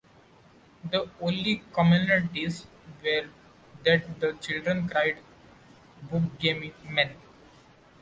The only commonalities were that the children cried Boogeyman!